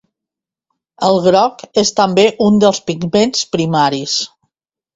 El groc és també un dels pigments primaris.